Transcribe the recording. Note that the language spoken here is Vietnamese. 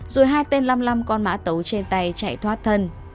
rồi hai tên lăm lăm con mã tấu trên tay chạy thoát thân